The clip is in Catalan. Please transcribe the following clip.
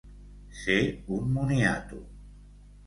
Ser un moniato.